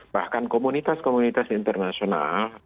bahkan komunitas komunitas internasional